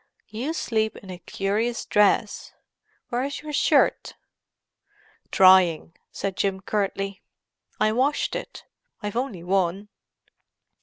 "You sleep in a curious dress. Where is your shirt?" "Drying," said Jim curtly. "I washed it—I've only one."